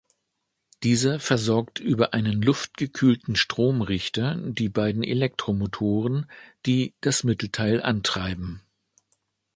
Dieser versorgt über einen luftgekühlten Stromrichter die beiden Elektromotoren, die das Mittelteil antreiben.